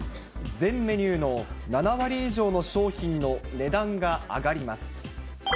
全メニューの７割以上の商品の値段が上がります。